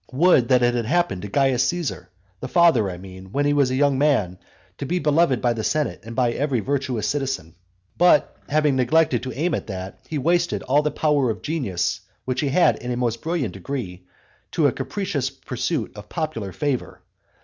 Would that it had happened to Caius Caesar the father, I mean when he was a young man, to be beloved by the senate and by every virtuous citizen, but, having neglected to aim at that, he wasted all the power of genius which he had in a most brilliant degree, in a capricious pursuit of popular favour.